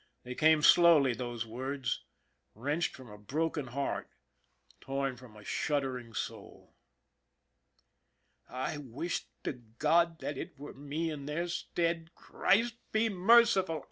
They came slowly, those words, wrenched from a broken heart, torn from a shuddering soul. " I wish to God that it were me in their stead. "IF A MAN DIE" 53 Christ be merciful !